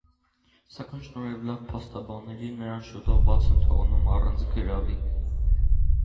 Սակայն, շնորհիվ լավ փաստաբանների, նրան շուտով բաց են թողնում առանց գրավի։